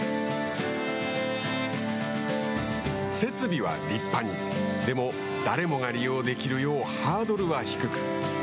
設備は立派にでも誰でも利用できるようハードルは低く。